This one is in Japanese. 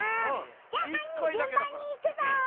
じゃあ３にんじゅんばんにいくぞ！